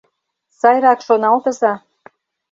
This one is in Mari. — Сайрак шоналтыза.